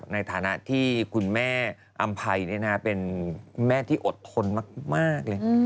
ในฐานะที่คุณแม่อำภัยเป็นแม่ที่อดทนมากเลย